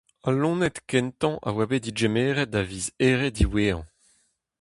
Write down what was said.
Al loened kentañ a oa bet degemeret da viz Here diwezhañ.